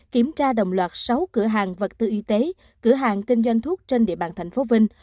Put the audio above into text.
kiểm tra đồng loạt sáu cửa hàng vật tư y tế cửa hàng kinh doanh thuốc trên địa bàn thành phố vinh